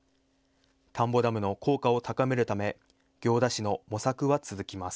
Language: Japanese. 田んぼダムの効果を高めるため行田市の模索は続きます。